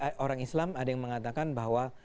ada orang islam ada yang mengatakan bahwa